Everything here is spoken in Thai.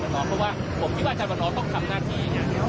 เพราะว่าผมคิดว่าอวันดอนก็ต้องทำหน้าที